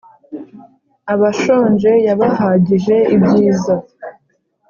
Abashonje yabahagije ibyiza